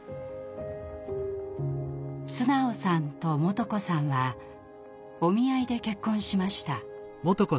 直さんと幹子さんはお見合いで結婚しました。